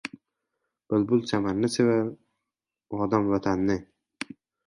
Bulbul chamanni sevar, odam — Vatanni.